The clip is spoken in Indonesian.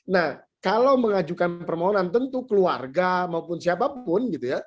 nah kalau mengajukan permohonan tentu keluarga maupun siapapun